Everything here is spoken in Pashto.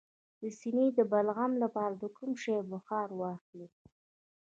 د سینې د بغل لپاره د کوم شي بخار واخلئ؟